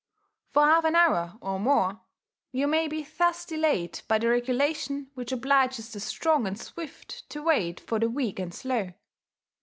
For half an hour, or more, you may be thus delayed by the regulation which obliges the strong and swift to wait for the weak and slow.